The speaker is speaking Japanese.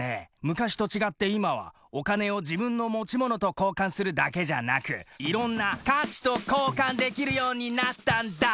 昔と違って今はお金を自分の持ち物と交換するだけじゃなくいろんな価値と交換できるようになったんだ。